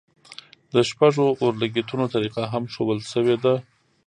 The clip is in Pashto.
د شپږو اورلګیتونو طریقه هم ښودل شوې ده.